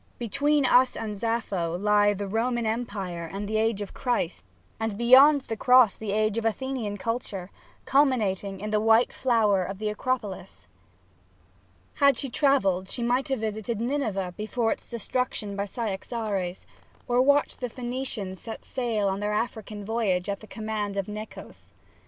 Between us and Sappho lie the Roman Empire and the age of Christ, and beyond 5 SAPPHO the cross the age of Athenian culture, culmir>ating in the white flower of the Acropolis. Had she travelled she might have visited Nineveh before its destruction by Cyaxares, or watched the Phoenicians set sail on their African voyage at the command of Nechos.